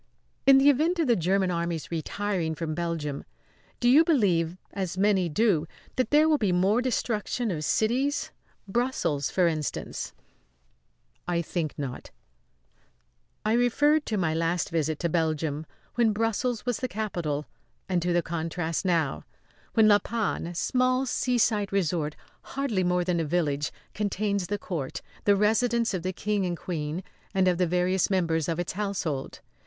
"In the event of the German Army's retiring from Belgium, do you believe, as many do, that there will be more destruction of cities? Brussels, for instance?" "I think not." I referred to my last visit to Belgium, when Brussels was the capital; and to the contrast now, when La Panne a small seaside resort hardly more than a village, contains the court, the residence of the King and Queen, and of the various members of his household.